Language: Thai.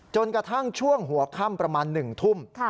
จนกระทั่งช่วงหัวค่ำประมาณ๑ทุ่ม